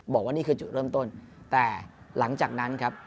บอกว่านี่คือจุดเริ่มต้นแต่หลังจากนั้นครับ